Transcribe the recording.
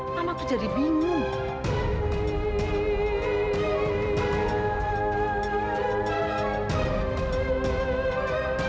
mama tuh jadi bingung